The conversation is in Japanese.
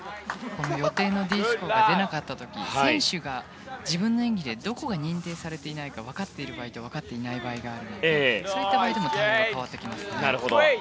予定のＤスコアが出なかった時選手が自分の演技でどこが認定されなかったのか分かっている場合と分かっていない場合があるのでそういった場合でも対応が変わってきますね。